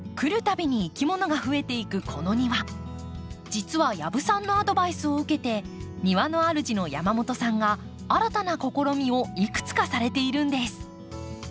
実は養父さんのアドバイスを受けて庭の主の山本さんが新たな試みをいくつかされているんです。